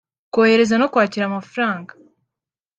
kohereza no kwakira amafaranga